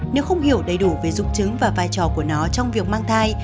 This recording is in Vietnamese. nếu không hiểu đầy đủ về dung trứng và vai trò của nó trong việc mang thai